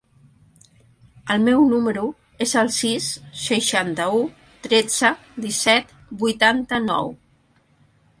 El meu número es el sis, seixanta-u, tretze, disset, vuitanta-nou.